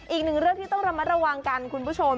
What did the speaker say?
อีกหนึ่งเรื่องที่ต้องระมัดระวังกันคุณผู้ชม